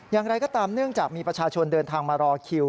อย่างไรก็ตามเนื่องจากมีประชาชนเดินทางมารอคิว